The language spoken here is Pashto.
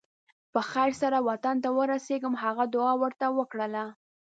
په خیر سره وطن ته ورسېږم هغه دعا ورته وکړله.